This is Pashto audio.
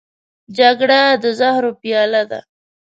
جګړه د زهرو پیاله ده